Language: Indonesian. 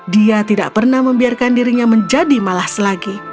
dia tidak pernah membiarkan dirinya menjadi malas lagi